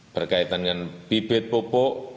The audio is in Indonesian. berkaitan dengan bibit popok